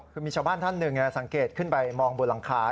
คือมีชาวบ้านท่านหนึ่งสังเกตขึ้นไปมองบนหลังคา